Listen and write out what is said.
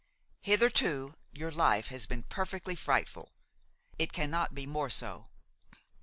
Hitherto your life has been perfectly frightful; it cannot be more so.